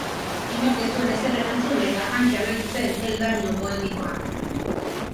Inork ez zuen ezer erantzun eta hantxe amaitu zen eldarnio poetikoa.